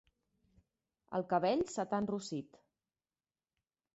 El cabell se t'ha enrossit.